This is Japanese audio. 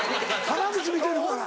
濱口見てるから。